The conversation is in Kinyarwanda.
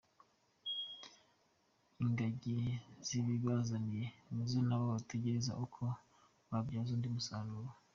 Ingagi zibibazaniye nizo nabo batekereza uko babyaza undi musaruro.